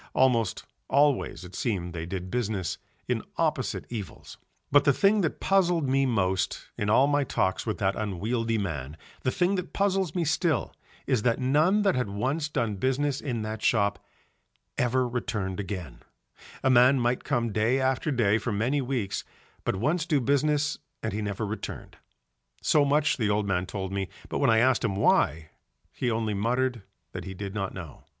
Almost always it seemed they did business in opposite evils. But the thing that puzzled me most in all my talks with that unwieldy man, the thing that puzzles me still, is that none that had once done business in that shop ever returned again; a man might come day after day for many weeks, but once do business and he never returned; so much the old man told me, but when I asked him why, he only muttered that he did not know.